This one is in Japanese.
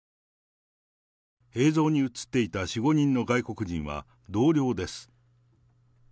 映像に写っていた４、５人の外国人は、同僚です。